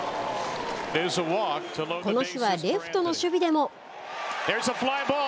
この日はレフトの守備でも。